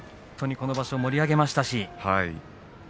この場所盛り上げました。